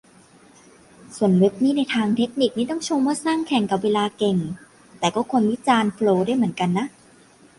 ส่วนเว็บนี่ ในทางเทคนิคนี่ต้องชมว่าสร้างแข่งกับเวลาเก่ง แต่ก็ควรวิจารณ์โฟลวได้เหมือนกันนะ